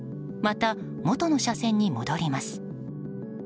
また、元の車線に戻ります。